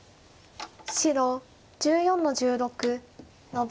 白１４の十六ノビ。